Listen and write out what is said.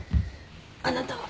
あなたは？